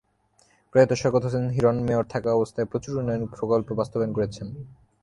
প্রয়াত শওকত হোসেন হিরণ মেয়র থাকা অবস্থায় প্রচুর উন্নয়ন প্রকল্প বাস্তবায়ন করেছেন।